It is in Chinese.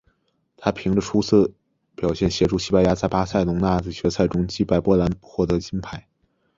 他凭着出色表现协助西班牙在巴塞隆拿的决赛中击败波兰夺得金牌。